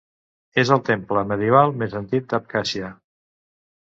És el temple medieval més antic d'Abkhàzia.